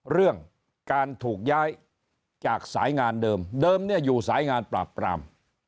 เรื่องการถูกย้ายจากสายงานเดิมเดิมเนี่ยอยู่สายงานปราบปราม